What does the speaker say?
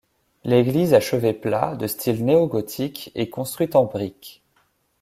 L'église à chevet plat, de style néo-gothique, est construite en brique.